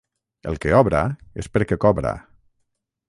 El que obra és perquè cobra.